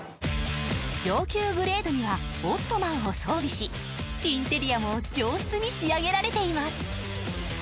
上級グレードにはオットマンを装備しインテリアも上質に仕上げられています。